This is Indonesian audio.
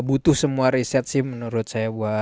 butuh semua riset sih menurut saya